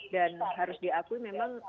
dan harus diakui memang